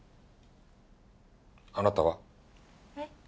あなたは？え？